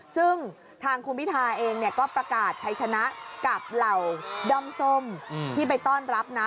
ซึ่งทางคุณพิธาเองก็ประกาศใช้ชนะกับเหล่าด้อมส้มที่ไปต้อนรับนะ